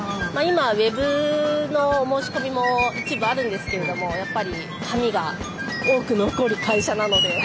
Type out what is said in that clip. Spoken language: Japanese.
今ウェブの申し込みも一部あるんですけれどもやっぱり紙が多く残る会社なので。